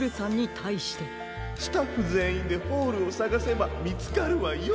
かいそうスタッフぜんいんでホールをさがせばみつかるわよ。